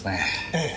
ええ。